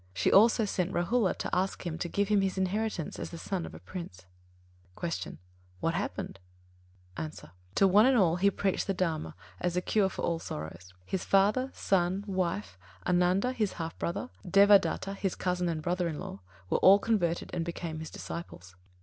She also sent Rāhula to ask him to give him his inheritance, as the son of a prince. 89. Q. What happened? A. To one and all he preached the Dharma as the cure for all sorrows. His father, son, wife, Ānanda (his half brother), Devadatta (his cousin and brother in law), were all converted and became his disciples.